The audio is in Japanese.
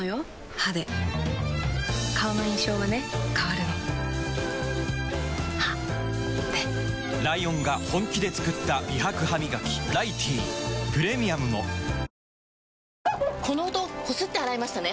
歯で顔の印象はね変わるの歯でライオンが本気で作った美白ハミガキ「ライティー」プレミアムもこの音こすって洗いましたね？